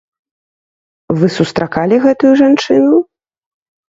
Вы сустракалі гэтую жанчыну?